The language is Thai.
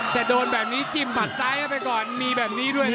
แต่โดนแบบนี้จิ้มหัดซ้ายเข้าไปก่อนมีแบบนี้ด้วยนะ